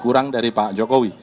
kurang dari pak jokowi